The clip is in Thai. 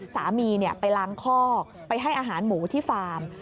สามีไปล้างคอกไปให้อาหารหมูที่ฟาร์ม